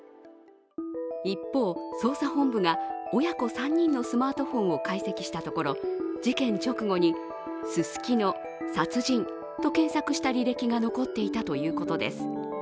一方、捜査本部が親子３人のスマートフォンを解析したところ事件直後に、すすきの、殺人と検索した履歴が残っていたということです。